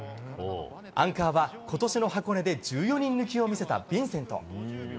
アンカーは今年の箱根で１４人抜きを見せたヴィンセント。